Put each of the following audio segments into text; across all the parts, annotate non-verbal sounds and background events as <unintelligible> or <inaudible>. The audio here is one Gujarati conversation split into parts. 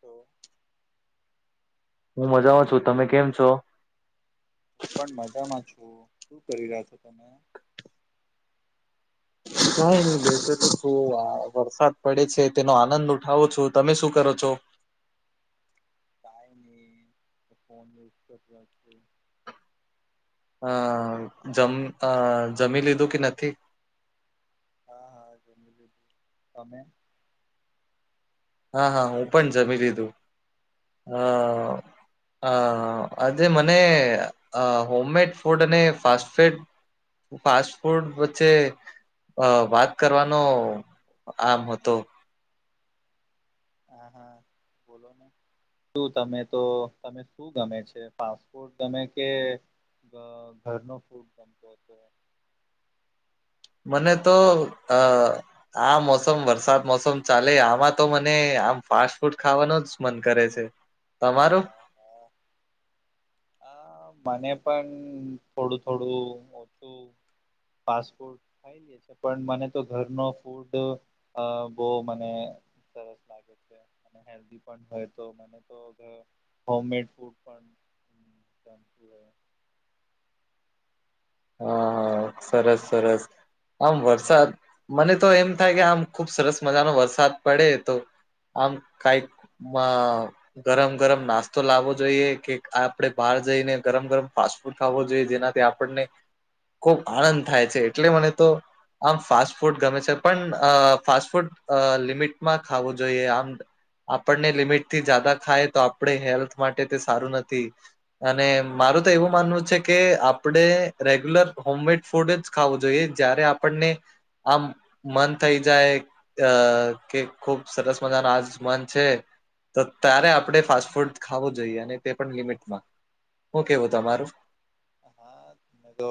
તો, હું મજા ઓ છું, તમે કેમ છો? હું પણ મજામાં છું, શું કરી રહ્યા છો તમે. કઈ નહી બેસે તો શું વરસાદ પડે છે તેનો આનંદ ઉઠાવો છો તમે શું કરો છો? કાય ન તો ફોન ઝ કર છે. અ જમ આ જમી લીધું કે નથી. હા હા જમી લીધું તમે. હા હા હું પણ જમી લીધું હ. અ આજે મને હોમમેડ ફૂડ અને ફાસ્ટ ફડ ફાસ્ટ ફૂડ વચ્ચે અ વાત કરવાનો આમ હતો. હા હા બોલોને. શું તમે તો તમે શું ગમે છે ફાસ્ટફુટ ગમે કે ઘરનો ફૂડ ગમતો મને તો અ આ મોસમ વરસાદ મોસમ ચાલે આમાં તો મને આમ ફાસ્ટ ફૂડ ખાવાનું જ મન કરે છે. તમારું હ મને પણ થોડું થોડું ઓછું. ફાસ્ટફુટ પણ મને તો ઘરનો ફૂડ બહ મને સરસ લાગે છે. હેલ્ પણ હોય તો મ તો હોમ મેડ ફૂડ પણ <unintelligible> હા હા સરસ સરસ. આમ વરસાદ મને તો એમ થાય કે આમ ખુબ સરસ મજાનો વરસાદ પડે તો આમ કઈ અ ગરમ ગરમ નાસ્તો લાવવો જોઈએ કે આપડે બહાર જઈને ગરમ ગરમ ફાસ્ટૂડ ખાવો જોઈએ જેનાથી આપણને ખુબ આનંદ થાય છે એટલે મને તો આમ ફાસ્ટ ફૂડ ગમે છે પણ અ ફાસ્ટ ફૂડ લિમિટમાં ખાવું જોઈએ આમ. આપણને લિમિટ થી જદા ખાય તો આપણે હેલ્થ માટે તે સારું નથી. અને મારું તો એવું માનવું છે કે આપડે રેગ્યુલર હોમ મેડ ફૂડ જ ખાવું જોઈએ જય્યારે આપણને આમ મન થઈ જાય. અ કે ખુબ સરસ મજા ન આજ મન છે. તો ત્યારે આપણે ફાસ્ટ ફૂડ ખાવું જોઈએ અને તે પણ લિમિટમાં શું કેવું તમારું. હા મેં તો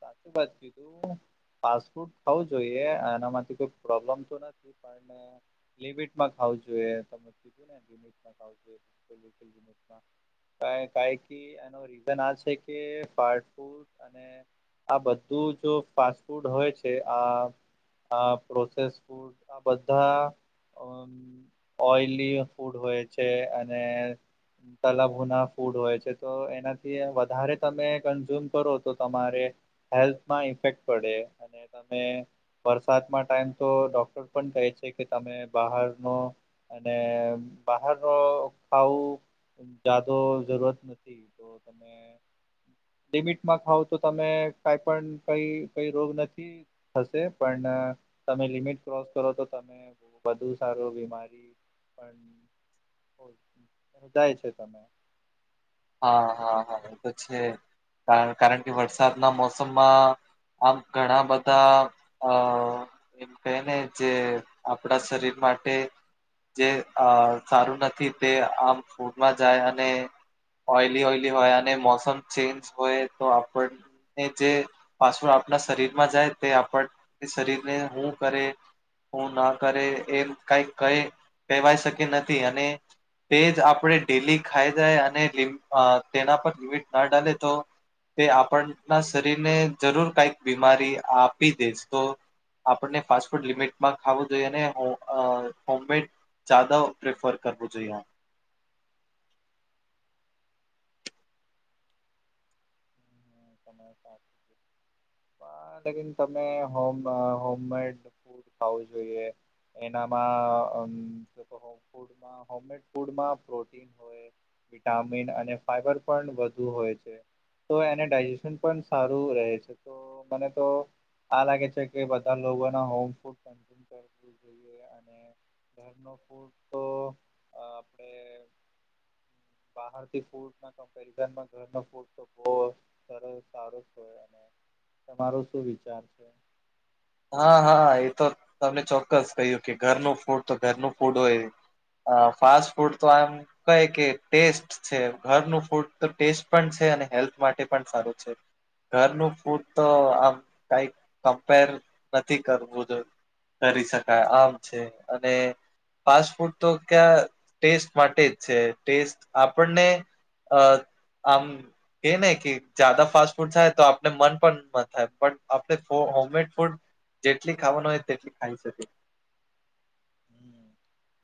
સાચી વાત ક ફાસ્ટફૂડ ખાવુ જોઈએ એના થી કોઈ પ્રોબ્લેમ તો નથી પણ લિમિટમાં ખાવું જોઈએ તમે કીધુ ને લિમિટ મા ખાવુ જોયે ક એનો રીઝન આ છે. ફાસ્ટફુટ આ બધું જો ફાસ્ટ ફૂડ હોય છે આ. આ પ્રોસેસ ફૂડ આ બધા ઓઈલી ફૂડ હોય છે અને તલા ભુના ફૂડ હોય છે તો એનાથી એ વધારે તમે કન્ઝ્યુમ કરો તો તમારે હેલ્થમાં ઇફેક્ટ પડે. ત વરસાદમાં ટાઈમ તો ડોક્ટર પણ કહે છે કે તમે બહારનો અને બહાર ખાવું જાદો જરૂરત નથી. તો તમે. લિમિટમાં ખાવ તો તમે કઈ પણ કઈ કઈ રોગ નથી. હશે પણ તમે લિમિટ ક્રોસ કરો તો તમે બુ સારું બીમારી પણ. જાય છે તમે હા હા હા એ તો છે કારણ કે વરસાદના મોસમમાં. આમ ઘણા બધા અ એમ કહે ને જે આપડા શરીર માટે. જે સારું નથી તે આમ ફૂંડમાં જાય અને ઓઈલી ઓઈલી હોય અને મોસમ ચેન્જ હોય તો આપણ જે પાછળ આપણા શરીર માં જાય તે આપણ શરીરને શું કરે હું ના કરે એમ કઈ ક કહેવાય શકી નથી અને તે જ આપણે ડેલી ખાઈ જાય અને તેના પર લિમિટ ના ડાલે તો તે આપણના શરીરને જરૂર કઈક બીમારી આપી દે તો આપણને ફાસ્ટ ફૂડ લિમિટમાં ખાવું જોઈએ ને હોમમેડ જ્યાદા ઉપયોગ કરવું જોઈએ તમેમ હોમ મેડ ખાવું જોઈએ એનામાં ફૂડમાં હોમમેડ ફૂડમાં પ્રોટીન હોય વિટામિન અને ફાઇબર પણ વધુ હોય છે તો એને ડાયેશન પણ સારું રહે છે તો મને તો આ લાગે છે કે બધા લોકો ના હોમ ફૂ <inaudible> અને ઘર ન ફૂડ તો આપણેે બહારથી ફૂડ ના કમ્પેરઝનમાં ઘર ન ફૂડ તો બહુ સરસ સારો હોય તમારો શું વિચાર છે. હા હા એ તો તમને ચોક્કસ કહ્યું કે ઘરનું ફૂડ તો ઘરનું ફૂડ હોય હ ફાસ્ટ ફૂડ તો આમ કઈ કે ટેસ્ટ છે ઘરનું ફૂડ તો ટેસ્ટ પણ છે અને હેલ્થ માટે પણ સારું છે. ઘરનું ફૂડ તો આમ કઈ કમ્પેર નથી કરવું જો કરી શકાય આમ છે અને ફાસ્ટ ફૂડ તો ક્યાં ટેસ્ટ માટે જ છે ટેસ્ટ આપણને અ આમ કે ને કે જદા ફાસ્ટ ફૂડ થાય તો આપણે મન પણ થાય બટ આપણે હોમમેડ ફૂડ જેટલી ખાવાનું હોય તેટલી ખાઈ શકે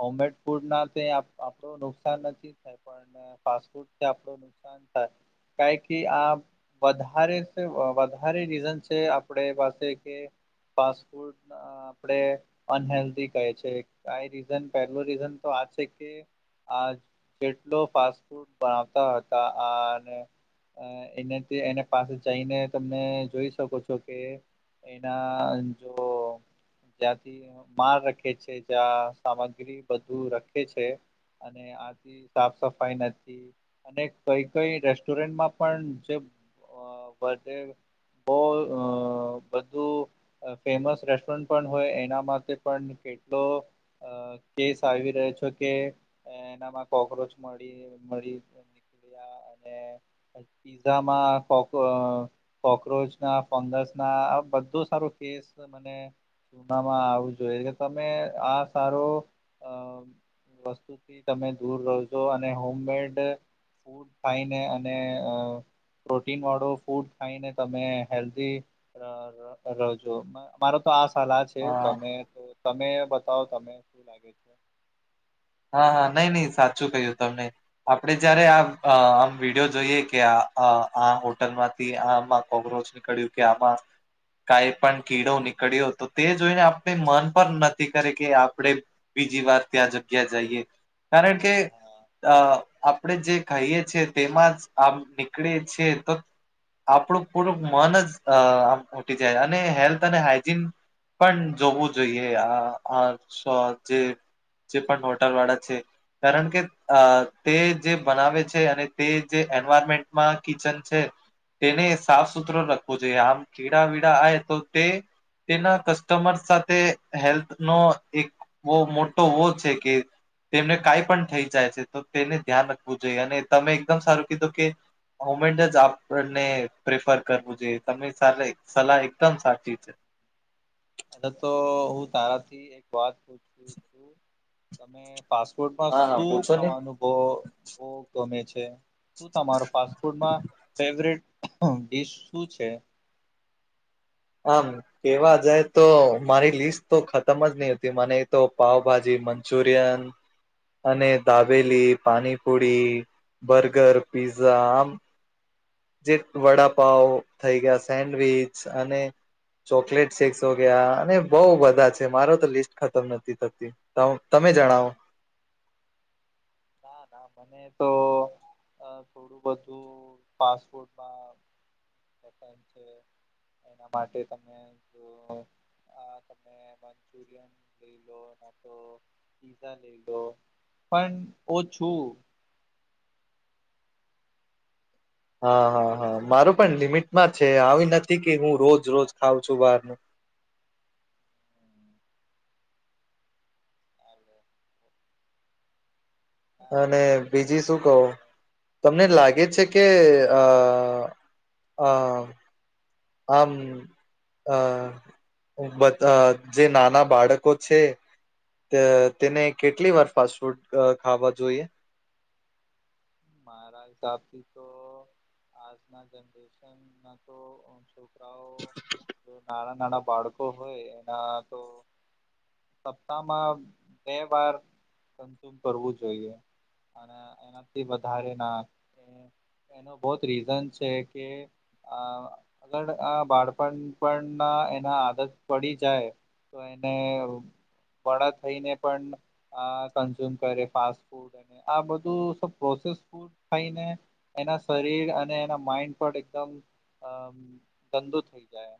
હોમમેડ ફૂડ ના આપડું નુકસાન નથી થાય પણ ફાસ્ટૂડથી આપડું નુકસાન થાય ક આ વધારે વધારે રીઝન છે આપડ પાસે કે ફાસ્ટ ફૂડ આપણેે અનહેેલ્ધી કહે છે. કઈ રીઝન પહેલું રીઝન તો આ છે કે આ કેટલો ફાસ્ટ ફૂડ બનાવતા હતા આ અ એને એને પાસે જઈને તમે જોઈ શકો છો કે એના જો જ્યાંથી માર રખે છે. ત્યાં સામગ્રી બધું રખે છે અને આથી સાફ સફાઈ નથી અને કઈ કઈ રેસ્ટોરન્ટમાં પણ જે વધે બોવ અ બધું ફેમસ રેસ્ટોરન્ટ પણ હોય એના માટે પણ કેટલો અ કેસ આવી રહ્યો છે કે એનામાં કોક્રોચ મળી મળી અને પીઝામાં કો કોક્રોચ ના ફોંગસ ના આ બધો સારો કેસ મને જૂવામાં આવું જોઈએ કે તમે આ સારું અ વસ્તુથી તમે દૂર રહેજો અને હોમમેડ ફૂડ ખાઈને અને પ્રોટીન વાળો ફૂડ ખાઈને તમે હેલ્ધી રહજો. અમારો તો આ સલાહ છે હા તમે તો તમે બતાવો તને શું લાગે છે. હા હા નહી નહી સાચુકહ્યુંતમ નહી આપડે જયારે આ આમ વિડીયો જોઈએ, કે આ આ હોટલ માંથી આ કોક્રોચ નીકળ્યું કે આમા કાંઈ પણ કીડો નીકળ્યો તો તે જોઈને, આપણે મન પણ નથી કરે કે આપડે બીજી વાર ત્યાં જગ્યા જઈએ કારણ કે હા અ આપ આપણેે જે કાઈએ છીએ તેમાં જ આ નીકળીએ છીએ તો આપણું પૂરું મન જ આમ ઉટી જાય અને હેલ્થ અને હાઈજીન પણ જોવું જોઈએ આ જે જે પણ હોટલ વાળા છે. કારણ કે તે જે બનાવે છે અને તે જે એન્વાયરમેન્ટમાં કિચન છે. તેને સાફ સુથરો રાખવો જોઈએ આમ કેીડા વીડા આવે તો તે તેના કસ્ટમર સાથે હેલ્થનો એક બહ મોટો વ છે કે તેમને કાઈ પણ થઈ જાય છે, તો તેને ધ્યાન રાખવું જોઈએ અને તમે એકદમ સારું કીધું કે હમેન્ટ જ આપણને પ્રિફર કરવું જોઈએ તમે સલાહ એકદમ સાચી છે. અ તો હું તારાથી એક વાત પૂછુ છુ, તમે પાસપોર્ટમાં હા હા શું પૂછો ને ખવાનુંભ બ ગમે છે. તમારો ફાસ્ટફૂડમાં ફેવટડીશ શું છે. કામ કેવા જાય તો મારી લિસ્ટ તો ખતમ જ નહતી મને તો પાવભાજી મંચુરિયન અને દબેલી પાણીપોડી બર્ગર પીઝઝા આમ જે વડાપાવ થઈ ગયા સેન્ડવીચ અને ચોકલેટ શેક્સ વગયા અને બઉ બધા છે મારો તો લિસ્ટ ખતમ નથી થતી. તમે જણાવો ના ના મને તો થોડું બધું પાપોર્ટમા છે એના માટે તમે જો અને મંચુરિયન લ લો તો પીઝા લઈ લો પણ ઓ છુ. હા હા હા માર પણ લિમિટમા છે, આવી નથી કે હું રોજ રોજ ખઉં છુ, બહારનુ <unintelligible> ના ના અને ઠીક છે બીજી શું કવો આપણે તમને લાગે છે, કે આ <unintelligible> હમ્મ અ જે નાના બાળકો છે. તેને કેટલી વાર ફાસ્ટ ફૂડ ખાવા જોઈએ. મારા હસાબથી તો આજના જનરેશન ના તો ઓસો જો નાના નાના બાળકો હોય એના તો સપ્તાહમાં બે વાર તંતુ કરવું જોઈએ અને એનાથી વધારે ના એનો બહત રીઝન છે, કે આ આગળ આ બાળપણ પણ ના એના આદત પડી જાય. તો એને વળ થઈને પણ કન્ઝ્યુમ કરે ફાસ્ટ ફૂડ આ બધુ પ્રોસેસ ફૂડ ખઈને એના શરીર અને એના માઈન્ડ પર એકદમ અ ઠંડુ થઈ જાય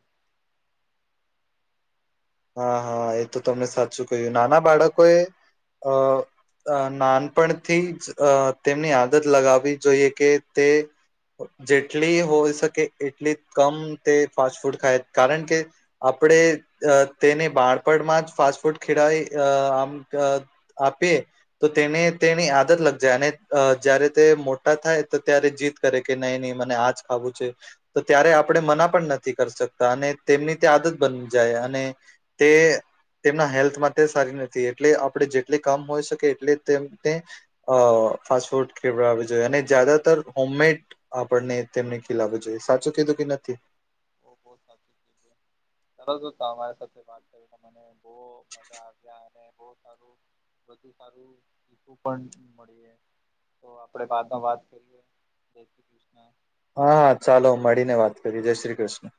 હા હા એ તો તમને સાચું કહ્યું નાના બાળકોએ અ અ નાનપણથી જ અ તેમની આદત લગાવવી જોઈએ કે તે જેટલી હોય શકે એટલી કમ તે ફાસ્ટફૂડ ખાય કારણ કે આપણે અ તેને બાળપણમાં જ ફાસ્ટફૂડ ખેડાઈ અ આમ આપે તો તેને તેની આદત લગ જાય અને અ જ્યારે તે મોટા થાય તો ત્યારે જીદ દ કરે કે નહી નહી મને આજ ખાવું છે તો ત્યારે આપણે મના પણ નથી કરી શકતા અને તેમની તે આદત બની જાય અને તે તેમના હેલ્થ માટે સારી નથી એટલે આપડે જેટલી કામ હોઈ શકે એટલે તેમ અ ફાસ્ટફૂડ ખેવડાવુ જોઈએ અને જ્યાદાતર હોમમેડ આપણને તેમને ખીલાવુ જોઈએ સાચું કીધું કે નથી બો બહોત સર અમારી સાથે વાત કરીને મને બહ મજા આવ્યા અને બ સારું બધુ સારું સીખું પણ પડે તો આપણે બાદમાં વાત કરીએ દખએને હા ચાલો મળીને વાત કરીએ જય શ્રી કૃષ્ણ